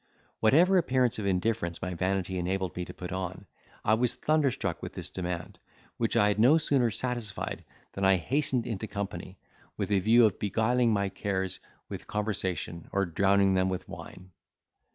Whatever appearance of indifference my vanity enabled me to put on, I was thunderstruck with this demand, which I had no sooner satisfied, than I hastened into company, with a view of beguiling my cares with conversation, or drowning them with wine.